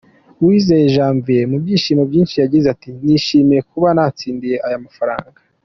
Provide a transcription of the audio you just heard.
Uwizeye Janvier mu byishimo byinshi yagize ati “Nishimiye kuba natsindiye aya mafaranga.